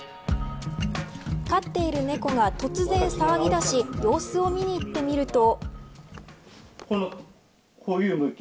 飼っている猫が突然騒ぎだし様子を見に行ってみると。